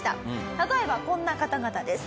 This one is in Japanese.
例えばこんな方々です。